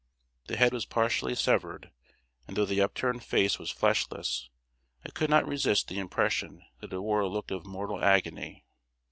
The head was partially severed; and though the upturned face was fleshless, I could not resist the impression that it wore a look of mortal agony.